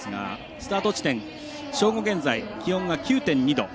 スタート地点、正午現在気温が９．２度。